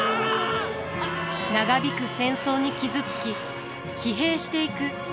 長引く戦争に傷つき疲弊していく家臣たち。